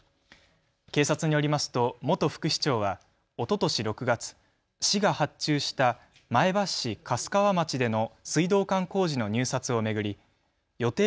警察によりますと元副市長はおととし６月、市が発注した前橋市粕川町での水道管工事の入札を巡り予定